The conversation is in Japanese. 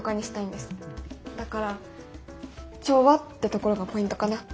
だから「調和」ってところがポイントかな。